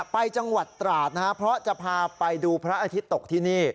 ไปจังหวัดตราดนะครับเพราะจะพาไปดูพระอาทิตย์ตกที่นี่